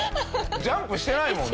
ジャンプしてないもんね。